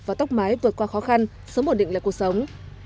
và tốc mái vượt qua khó khăn sớm bổn định lại cuộc sống